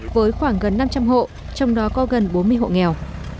với khoảng gần năm trăm linh hộ trong đó có gần bốn mươi hộ nghèo